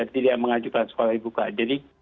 tidak mengajukan sekolah dibuka jadi